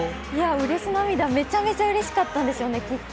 うれし涙、めちゃめちゃうれしかったんでしょうね。